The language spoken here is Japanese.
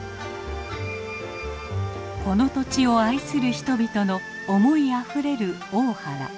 この土地を愛する人々の思いあふれる大原。